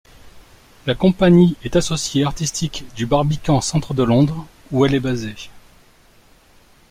La compagnie est associée artistique du Barbican Centre de Londres, où elle est basée.